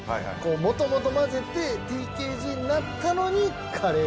元々混ぜてＴＫＧになったのにカレー。